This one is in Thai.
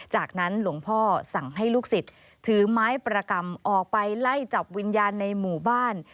จากนั้นหลวงพ่อสั่งให้ลูกศิษย์ถือไม้ประกรรมออกไปไล่จับวิญญาณในหมู่บ้าน